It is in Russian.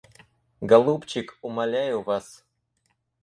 Голубчик, умоляю вас.